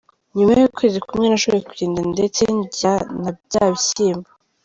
Nyuma y’ukwezi kumwe nashoboye kugenda ndetse ndya na bya bishyimbo.